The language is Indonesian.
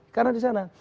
karena di sana